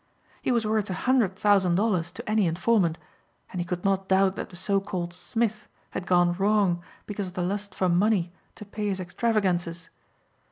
He was worth a hundred thousand dollars to any informant and he could not doubt that the so called Smith had gone wrong because of the lust for money to pay his extravagances.